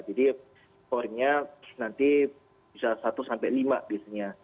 jadi scoringnya nanti bisa satu sampai lima biasanya